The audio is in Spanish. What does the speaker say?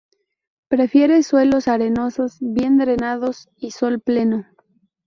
Prefiere suelos arenosos, bien drenados y sol pleno.